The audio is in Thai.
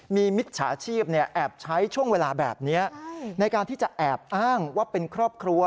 มีมิจฉาชีพแอบใช้ช่วงเวลาแบบนี้ในการที่จะแอบอ้างว่าเป็นครอบครัว